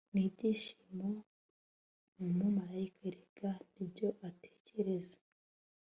Nibyishimo ni umumarayika erega nibyo atekereza